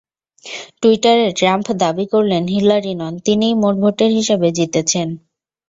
টুইটারে ট্রাম্প দাবি করলেন, হিলারি নন, তিনিই মোট ভোটের হিসাবে জিতেছেন।